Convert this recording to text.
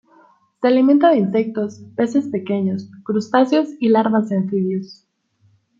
Se alimenta de insectos, peces pequeños, crustáceos y larvas de anfibios.